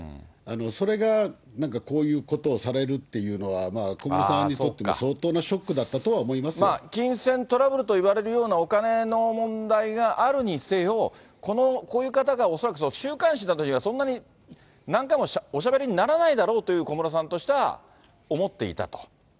それがなんかこういうことをされるっていうのは、小室さんにとっても、相当なショックだったとは金銭トラブルといわれるようなお金の問題があるにせよ、こういう方が恐らく週刊誌などには、そんなに何回もおしゃべりにならないだろうと、小室さんとしては思っていたと。